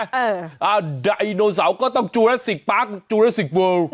เออดัยโนเสาร์ก็ต้องจูเลสสิกปาร์กจูเลสสิกเวิร์ล